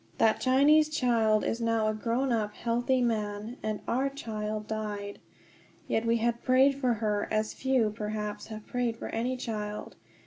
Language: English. That Chinese child is now a grown up, healthy man. And our child died. Yet we had prayed for her as few, perhaps, have prayed for any child.